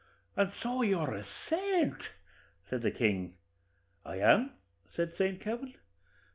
and so you're a saint?' says the king. 'I am,' says Saint Kavin.